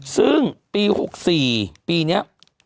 ซึ่งปี๖๔ปีนี้